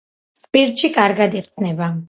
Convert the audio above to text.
სპირტში კარგად იხსნება.